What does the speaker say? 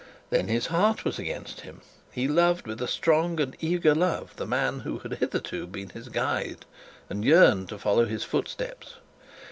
Then his heart was against him: he loved with a strong and eager love the man who had hitherto been his guide, and yearned to follow his footsteps.